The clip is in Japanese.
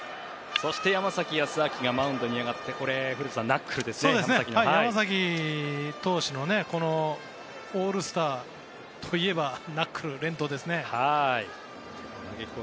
そして山崎康晃がマウンドに上がって山崎投手のオールスターといえばナックル連投ですね。